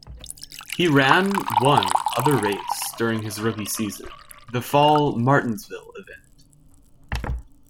He ran one other race during his rookie season, the fall Martinsville event.